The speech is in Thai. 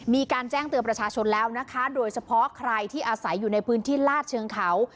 มีการแจ้งเตือนประชาชนแล้วนะคะโดยเฉพาะใครที่อาศัยอยู่ในพื้นที่ลาดเชิงเขา